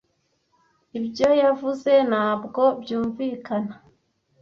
Ibyo yavuze ntabwo byumvikana.